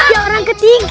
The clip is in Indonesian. ya orang ketiga